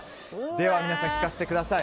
ではみなさん聞かせてください。